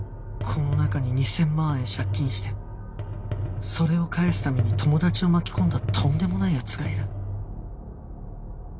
この中に２０００万円借金してそれを返すために友達を巻き込んだとんでもない奴がいる